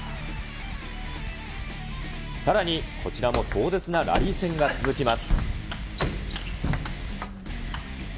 さらにこちらも壮絶なラリー戦が続きます。